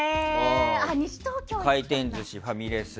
回転寿司、ファミレス。